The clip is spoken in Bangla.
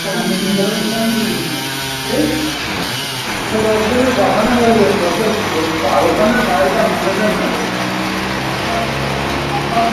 তুমি তার কী করতে পার দাদা?